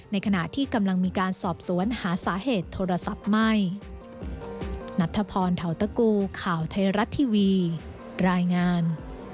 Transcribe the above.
ในขณะที่กำลังมีการสอบสวนหาสาเหตุโทรศัพท์ไหม